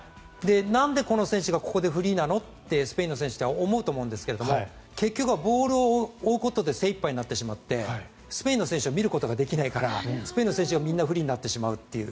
なんでこの選手がここでフリーなのって、スペインの選手思うと思うんですけど結局はボールを追うことに精いっぱいになってしまってスペインの選手は見ることができないからスペインの選手がみんなフリーになってしまうという。